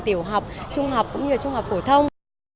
tiểu học trung học cũng như trung học phổ thông